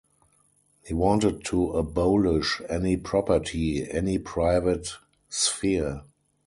He wanted to abolish any property, any private sphere.